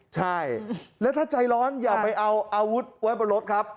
ใช่แล้วถ้าใจร้อนอย่าไปเอาอาวุธไว้บนรถครับ